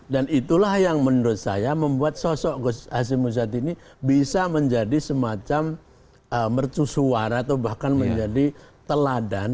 dan itulah yang menurut saya membuat sosok gus hasim muzadi ini bisa menjadi semacam mercusuara atau bahkan menjadi teladan